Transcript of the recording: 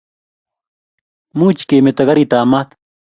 Much kimeto karitab mat